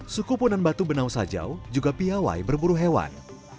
sukupunan batu benau sajau juga piawai berburu hewan